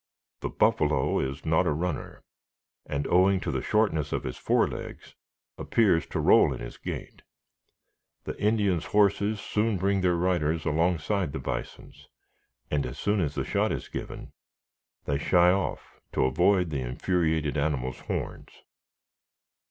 The buffalo is not a runner, and, owing to the shortness of his fore legs, appears to roll in his gait. The Indians' horses soon bring their riders alongside the bisons, and as soon as the shot is given, they shy off to avoid the infuriated animal's horns.